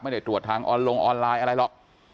ไม่ได้ตรวจทางออนลงออนไลน์อะไรหรอก